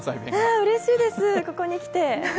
うれしいです、ここに来て。